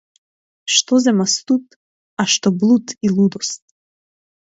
Што зема студ, а што блуд и лудост.